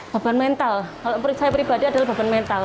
beban mental kalau percaya pribadi adalah beban mental